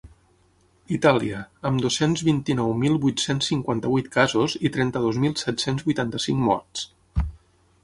Itàlia, amb dos-cents vint-i-nou mil vuit-cents cinquanta-vuit casos i trenta-dos mil set-cents vuitanta-cinc morts.